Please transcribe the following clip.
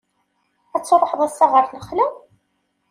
Ad truḥeḍ ass-a ɣer lexla?